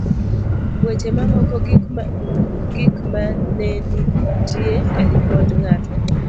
weche mamoko gik manenitie e Ripot Ng'ato